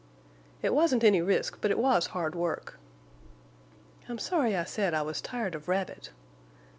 "It wasn't any risk, but it was hard work." "I'm sorry I said I was tired of rabbit.